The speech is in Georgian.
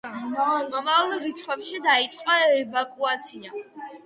მომავალ რიცხვებში დაიწყო ევაკუაცია.